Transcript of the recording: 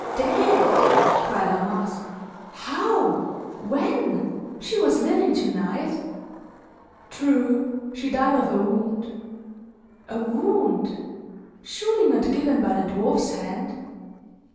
"Dead!" cried La Masque. "How? When? She was living, tonight!" "True! She died of a wound." "A wound? Surely not given by the dwarfs hand?"